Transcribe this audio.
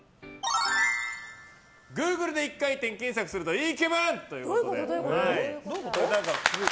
Ｇｏｏｇｌｅ で「一回転」と検索するといい気分ということで。